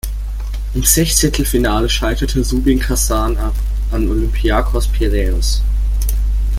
Im Sechzehntelfinale scheiterte Rubin Kasan an Olympiakos Piräus.